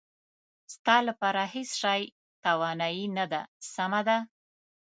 ستا لپاره هېڅ شی تاواني نه دی، سمه ده.